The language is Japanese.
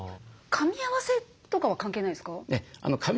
かみ合わせとかは関係ないですか？